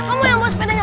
kamu yang bawa sepedanya